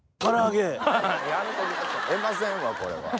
出ませんわこれは。